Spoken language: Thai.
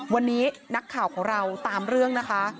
วันนี้นักข่าวของเราตามเรื่องนะคะ